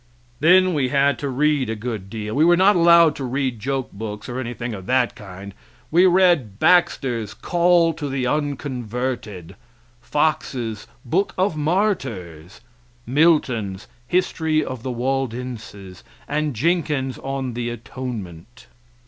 Then we had to read a good deal. We were not allowed to read joke books or anything of that kind. We read Baxter's "Call to the Unconverted;" Fox's "Book of Martyrs;" Milton's "History of the Waldenses," and "Jenkins on the Atonement."